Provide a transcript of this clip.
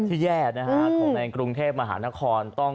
ที่แย่นะฮะของในกรุงเทพมหานครต้อง